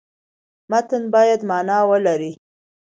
متن باید معنا ولري.